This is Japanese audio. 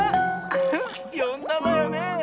ウフよんだわよね？